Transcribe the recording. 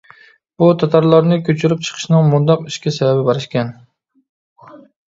بۇ تاتارلارنى كۆچۈرۈپ چىقىشنىڭ مۇنداق ئىككى سەۋەبى بار ئىكەن.